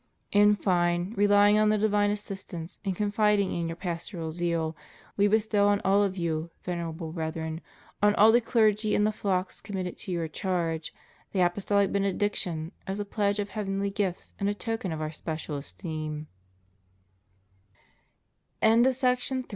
In fine, relying on the divine assistance and confiding in your pastoral zeal, We bestow on all of you. Venerable Brethren, on all the clergy and the flocks committed to your charge, the apostolic benediction as a pledge of heavenly gifts and a toke